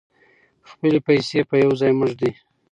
خپلې پیسې په یو ځای مه ږدئ.